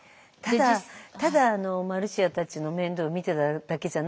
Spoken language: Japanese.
ただマルシアたちの面倒を見ていただけじゃないんだね。